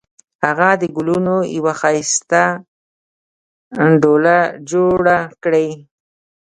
هغې د ګلونو یوه ښایسته ډوله جوړه کړې